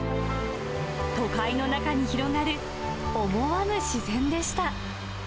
都会の中に広がる思わぬ自然でした。